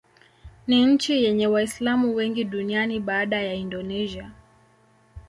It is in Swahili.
Ni nchi yenye Waislamu wengi duniani baada ya Indonesia.